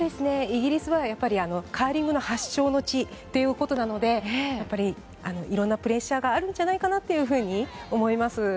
イギリスはカーリング発祥の地ということでいろいろなプレッシャーがあるんじゃないかと思います。